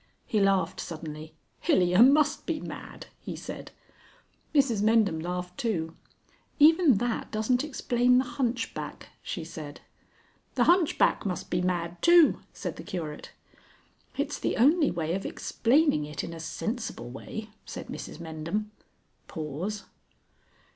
He laughed suddenly. "Hilyer must be mad," he said. Mrs Mendham laughed too. "Even that doesn't explain the hunchback," she said. "The hunchback must be mad too," said the Curate. "It's the only way of explaining it in a sensible way," said Mrs Mendham. [_Pause.